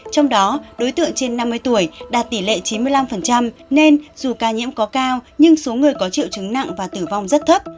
trong đó đối tượng trên năm mươi tuổi đạt tỷ lệ chín mươi năm nên dù ca nhiễm có cao nhưng số người có triệu chứng nặng và tử vong rất thấp